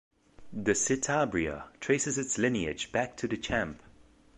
The Citabria traces its lineage back to the Champ.